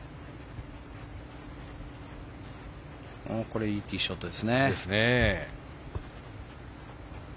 これはいいティーショットですね。